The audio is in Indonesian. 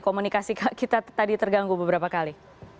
komunikasi kita tadi terganggu beberapa kali